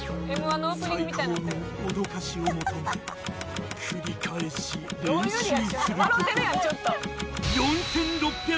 「最高の脅かしを求め繰り返し練習する事」